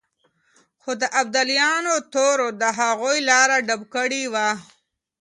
خو د ابدالیانو تورو د هغوی لاره ډب کړې وه.